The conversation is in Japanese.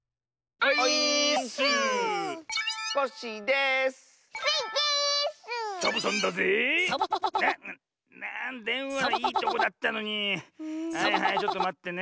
はいはいちょっとまってね。